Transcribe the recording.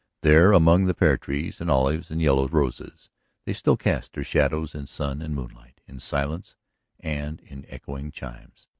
There, among the pear trees and olives and yellow roses, they still cast their shadows in sun and moonlight, in silence, and in echoing chimes.